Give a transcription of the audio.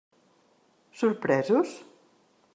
Sorpresos?